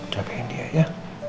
jagain dia ya